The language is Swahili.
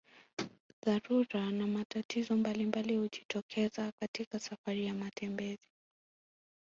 Dharura na matatizo mbalimbali hujitokeza katika safari ya matembezi